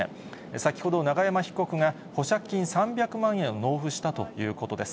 先ほど永山被告が保釈金３００万円を納付したということです。